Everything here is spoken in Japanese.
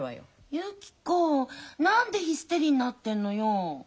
ゆき子何でヒステリーになってんのよ。